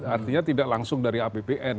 artinya tidak langsung dari apbn